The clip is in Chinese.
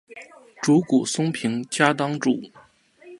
竹谷松平家当主。